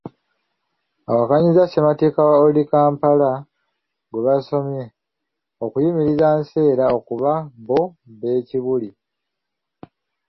Awakanyizza ssemateeka wa Old Kampala gwe baasomye okuyimiriza Nseera kuba bo b'e Kibuli.